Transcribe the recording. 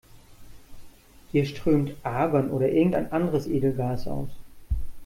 Hier strömt Argon oder irgendein anderes Edelgas aus.